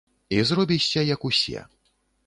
І зробішся як усе.